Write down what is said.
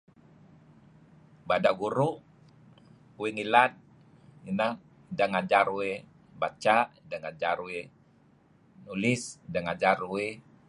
Bada' guru'... uih ngilad, ineh ideh ngajar uih basa', ideh ngajar uih nulis, ideh ngajar uih...